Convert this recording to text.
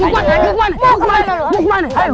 mau kemana lu